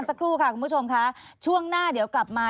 ค่ะคุณผู้ชมช่วงหน้าเดี๋ยวกลับมา